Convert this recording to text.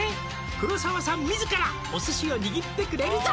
「黒澤さん自らお寿司を握ってくれるぞ」